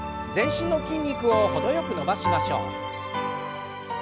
全身の筋肉を程よく伸ばしましょう。